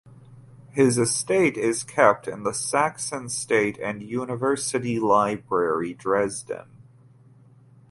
His estate is kept in the Saxon State and University Library Dresden.